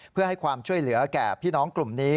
เพื่อให้ความช่วยเหลือแก่พี่น้องกลุ่มนี้